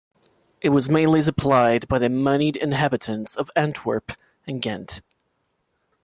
It was mainly supplied by the moneyed inhabitants of Antwerp and Ghent.